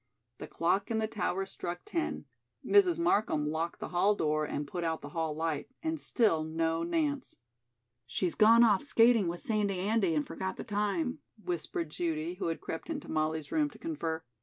The clock in the tower struck ten. Mrs. Markham locked the hall door and put out the hall light, and still no Nance. "She's gone off skating with Sandy Andy and forgot the time," whispered Judy, who had crept into Molly's room to confer.